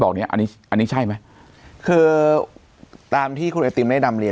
เนี้ยอันนี้อันนี้ใช่ไหมคือตามที่คุณไอติมได้นำเรียน